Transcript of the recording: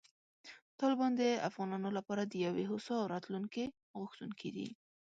طالبان د افغانانو لپاره د یوې هوسا راتلونکې غوښتونکي دي.